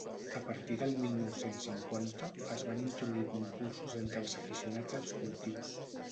A partir de mil nou-cents cinquanta, es van introduir concursos entre els aficionats als cultius.